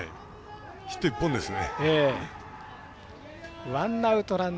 ヒット１本ですね。